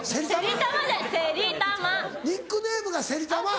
ニックネームがせりたま。